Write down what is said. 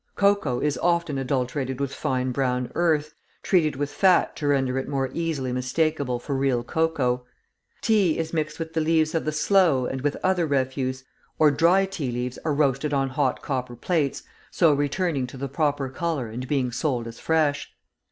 Cocoa is often adulterated with fine brown earth, treated with fat to render it more easily mistakable for real cocoa. Tea is mixed with the leaves of the sloe and with other refuse, or dry tea leaves are roasted on hot copper plates, so returning to the proper colour and being sold as fresh.